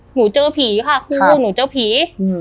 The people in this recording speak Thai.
หนูเจอผีค่ะคือลูกหนูเจอผี